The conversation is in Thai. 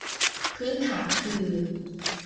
พื้นฐานคือ